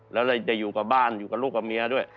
แล้วเลยจะอยู่กับบ้านอยู่กับลูกกับเมียด้วย